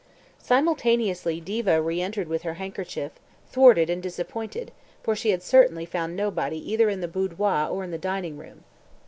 Simultaneously Diva re entered with her handkerchief, thwarted and disappointed, for she had certainly found nobody either in the boudoir or in the dining room.